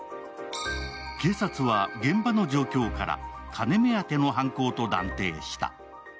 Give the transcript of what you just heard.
警察は現場の状況から金目当ての犯行と断定した。